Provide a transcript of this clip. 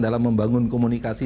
dalam membangun komunikasi